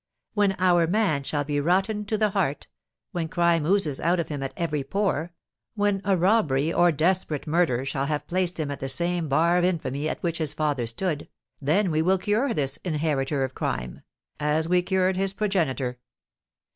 When our man shall be rotten to the heart, when crime oozes out of him at every pore, when a robbery or desperate murder shall have placed him at the same bar of infamy at which his father stood, then we will cure this inheritor of crime, as we cured his progenitor.